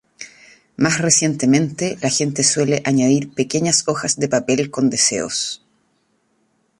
Más recientemente la gente suele añadir pequeñas hojas de papel con deseos.